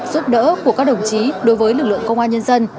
giúp đỡ của các đồng chí đối với lực lượng công an nhân dân